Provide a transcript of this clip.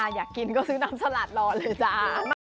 อยากกินก็ซื้อน้ำสลัดรอเลยจ้า